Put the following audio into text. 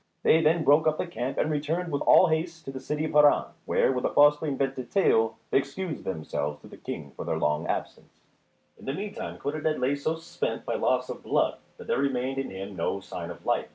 They then broke up the camp and returned with all haste to the city of Harran, where, with a falsely invented tale they excused themselves to the King for their long absence. In the meantime Codadad lay so spent by loss of blood that there remained in him no sign of life.